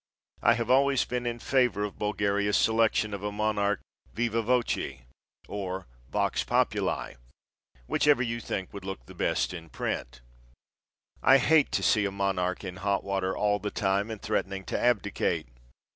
I have always been in favor of Bulgaria's selection of a monarch viva voce or vox populi, whichever you think would look the best in print. I hate to see a monarch in hot water all the time and threatening to abdicate.